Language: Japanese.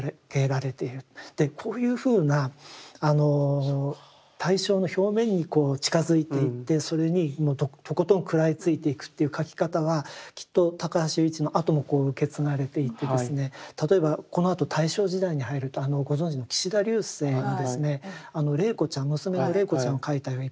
でこういうふうな対象の表面に近づいていってそれにとことん食らいついていくという描き方はきっと高橋由一のあともこう受け継がれていってですね例えばこのあと大正時代に入るとご存じの岸田劉生がですね麗子ちゃん娘の麗子ちゃんを描いた絵をいっぱい描きます。